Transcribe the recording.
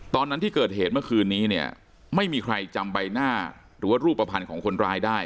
ตอนนั้นที่เกิดเหตุเมื่อคืนนี้เนี่ยไม่มีใครจำใบหน้าหรือว่ารูปภัณฑ์ของคนร้ายได้